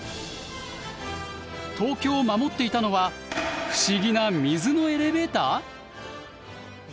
東京を守っていたのは不思議な水のエレベーター！？